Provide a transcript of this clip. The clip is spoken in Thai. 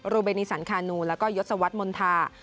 เบนิสันคานูแล้วก็ยศวรรษมณฑา